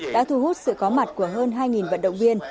đã thu hút sự có mặt của hơn hai vận động viên